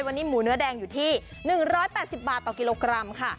วันนี้หมูเนื้อแดงอยู่ที่๑๘๐บาทต่อกิโลกรัมค่ะ